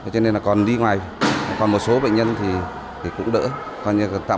cho nên là còn đi ngoài còn một số bệnh nhân thì cũng đỡ